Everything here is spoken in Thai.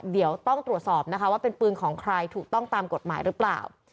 เดี๋ยวต้องตรวจสอบนะคะว่าเป็นปืนของใครถูกต้องตามกฎหมายหรือเปล่า